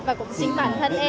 và cũng xin bản thân em